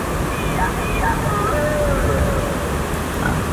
د شیخانو په محل کي” محفل جوړ دی د رندانو”